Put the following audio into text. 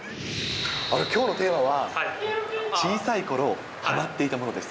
きょうのテーマは、小さいころハマっていたものです。